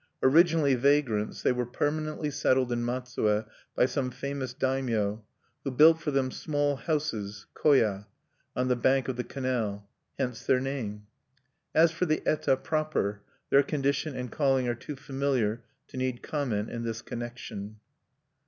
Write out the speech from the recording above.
Originally vagrants, they were permanently settled in Matsue by some famous daimyo, who built for them small houses koya on the bank of the canal. Hence their name. As for the eta proper, their condition and calling are too familiar to need comment in this connection.